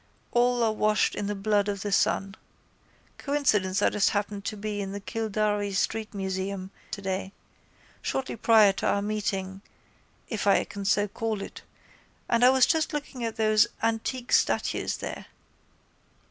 All are washed in the blood of the sun. Coincidence I just happened to be in the Kildare street museum today, shortly prior to our meeting if I can so call it, and I was just looking at those antique statues there.